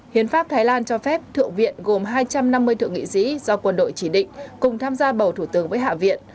hiến pháp thái lan cho phép thượng viện gồm hai trăm năm mươi thượng nghị sĩ do quân đội chỉ định cùng tham gia bầu thủ tướng với hạ viện